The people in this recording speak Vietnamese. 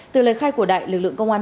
từ lời khai của đại lực lượng công an